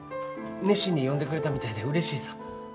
熱心に読んでくれたみたいでうれしいさ。